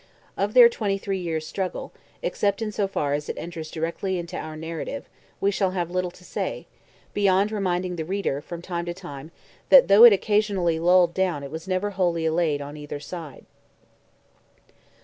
Of their twenty three years' struggle, except in so far as it enters directly into our narrative, we shall have little to say, beyond reminding the reader, from time to time, that though it occasionally lulled down it was never wholly allayed on either side.